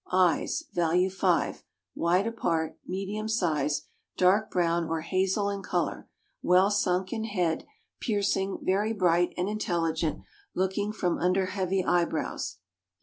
Eyes (value 5) wide apart, medium size, dark brown or hazel in color, well sunk in head, piercing, very bright, and intelligent — looking from under heavy eyebrows.